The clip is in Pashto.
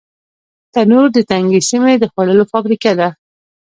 تنور د تنګې سیمې د خوړو فابریکه ده